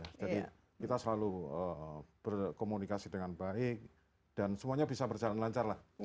jadi kita selalu berkomunikasi dengan baik dan semuanya bisa berjalan lancar lah